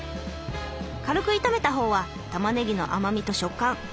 軽く炒めた方はたまねぎの甘みと食感。